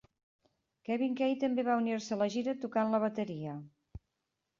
CEvin Key també va unir-se la gira tocant la bateria.